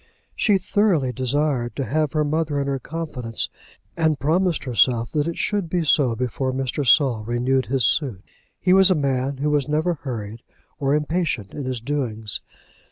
She thoroughly desired to have her mother in her confidence, and promised herself that it should be so before Mr. Saul renewed his suit. He was a man who was never hurried or impatient in his doings.